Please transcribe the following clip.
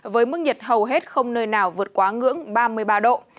với mức nhiệt hầu hết không nơi nào vượt quá ngưỡng ba mươi ba độ